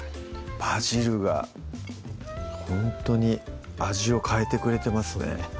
バジルがほんとに味を変えてくれてますね